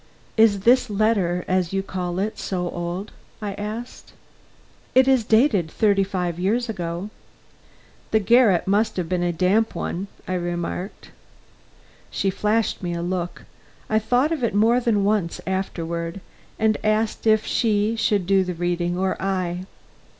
"Is this letter, as you call it, so old?" I asked. "It is dated thirty five years ago." "The garret must have been a damp one," I remarked. She flashed me a look I thought of it more than once afterward and asked if she should do the reading or I.